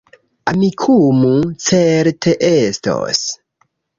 Amikumu certe estos